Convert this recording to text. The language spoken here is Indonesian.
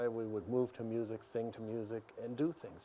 bahwa walaupun saya mengalami penyakit otisme